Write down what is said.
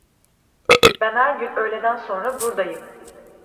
Ben her gün öğleden sonra burdayım.